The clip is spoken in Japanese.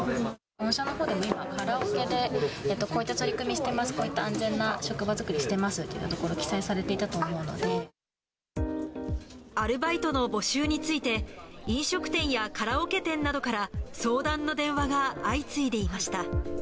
御社のほうでも、今、カラオケでこういった取り組みしてます、こういった安全な職場作りしてますっていうところを記載されていアルバイトの募集について、飲食店やカラオケ店などから相談の電話が相次いでいました。